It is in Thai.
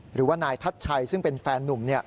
หรือว่านายทัชชัยซึ่งเป็นแฟนนุ่ม